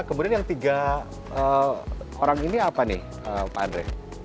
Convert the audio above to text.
kemudian yang tiga orang ini apa nih pak andre